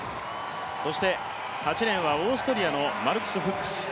そして８レーンはオーストラリアのフックス。